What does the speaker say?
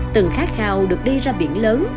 từng khát khao được đi ra biển lớn